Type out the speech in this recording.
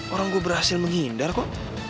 orang gue berhasil menghindar kok